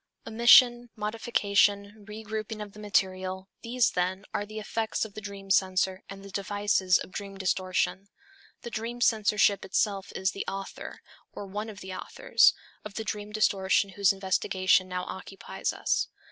Omission, modification, regrouping of the material, these, then, are the effects of the dream censor and the devices of dream distortion. The dream censorship itself is the author, or one of the authors, of the dream distortion whose investigation now occupies us.